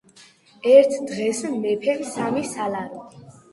ერთ დღეს მეფემ, სამი სალარო .